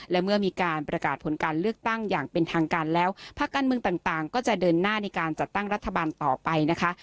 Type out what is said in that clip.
และเมื่อมีการประกาศผลการเลือกตั้งอย่างเป็นทางการแล้วภาคการเมืองต่างก็จะเดินหน้าในการจัดตั้งรัฐบาลต่อไปนะคะ